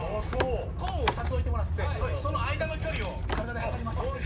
コーンを２つ置いてもらってその間の距離を体で測ります。